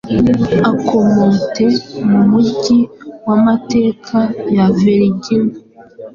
akomote mu mujyi wamateka ya Verigina